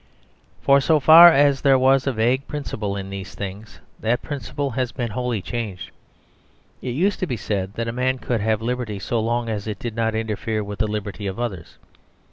For so far as there was a vague principle in these things, that principle has been wholly changed. It used to be said that a man could have liberty, so long as it did not interfere with the liberty of others.